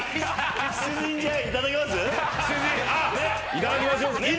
いただきましょう。